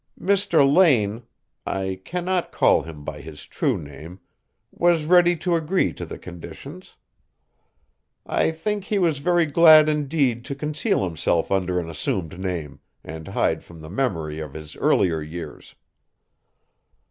Mr. Lane I can not call him by his true name was ready to agree to the conditions. I think he was very glad indeed to conceal himself under an assumed name, and hide from the memory of his earlier years."